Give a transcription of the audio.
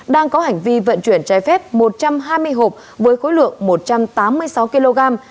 đang có hành vi vận chuyển trái phép một trăm hai mươi hộp với khối lượng một trăm tám mươi sáu kg